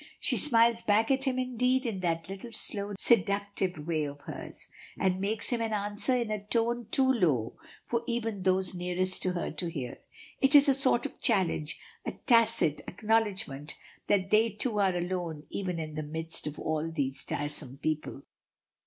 She smiles back at him indeed in that little slow, seductive way of hers, and makes him an answer in a tone too low for even those nearest to her to hear. It is a sort of challenge, a tacit acknowledgment that they two are alone even in the midst of all these tiresome people.